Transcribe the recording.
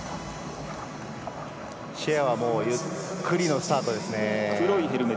シェアはゆっくりのスタートですね。